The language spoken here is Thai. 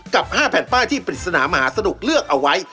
กับ๕แผ่นป้ายที่ปริศนามหาสนุกเลือกเอาไว้